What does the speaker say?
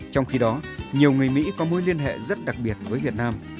trong khi đó nhiều người mỹ có mối liên hệ rất đặc biệt với việt nam